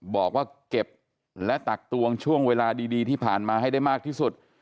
บอกว่าเก็บและตักตวงช่วงเวลาดีที่ผ่านมาให้ได้มากที่สุด